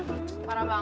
tunggu aku mau jalan